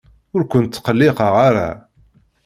Ur kent-ttqelliqeɣ ara.